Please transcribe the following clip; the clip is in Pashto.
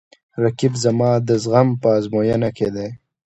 رقیب زما د زغم په ازموینه کې دی